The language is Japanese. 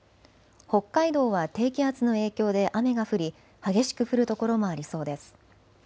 北海道は低気圧の影響で雨が降り激しく降る所もありそうです。